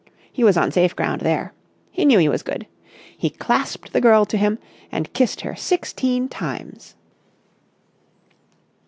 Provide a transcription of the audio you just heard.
He was on safe ground there. He knew he was good. He clasped the girl to him and kissed her sixteen times.